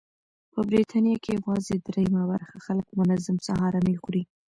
په بریتانیا کې یوازې درېیمه برخه خلک منظم سهارنۍ خوري.